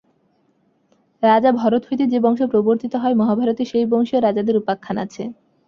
রাজা ভরত হইতে যে বংশ প্রবর্তিত হয়, মহাভারতে সেই বংশীয় রাজাদের উপাখ্যান আছে।